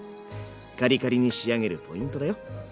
カリカリに仕上げるポイントだよ。